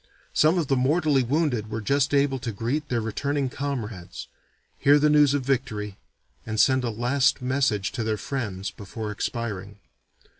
Some of the mortally wounded were just able to greet their returning comrades, hear the news of victory, and send a last message to their friends before expiring.